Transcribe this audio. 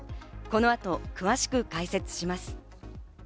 この後、詳しく解説します。